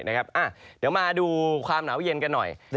เดี๋ยวมาดูความหนาวเย็นกันหน่อย